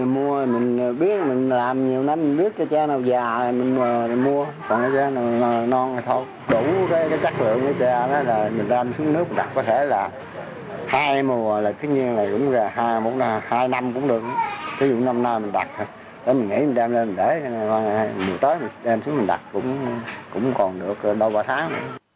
mình nghĩ mình đem lên mình để mùa tới mình đem xuống mình đặt cũng còn được đôi ba tháng